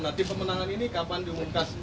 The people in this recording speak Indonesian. nah tim pemenangan ini kapan diungkas